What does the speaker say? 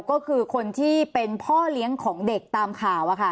ก็คือคนที่เป็นพ่อเลี้ยงของเด็กตามข่าว